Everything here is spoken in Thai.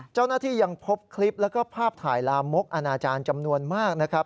เจ้าหน้าที่ยังพบคลิปแล้วก็ภาพถ่ายลามกอนาจารย์จำนวนมากนะครับ